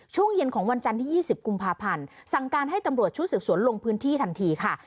ช่วงเย็นของวันจันทร์ที่๒๐กุมภาพันธ์สั่งการให้ตำรวจชุดสืบสวนลงพื้นที่ทันทีค่ะ